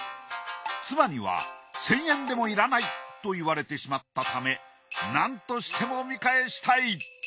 妻には１，０００円でもいらないと言われてしまったためなんとしても見返したい。